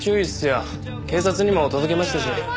警察にも届けましたし。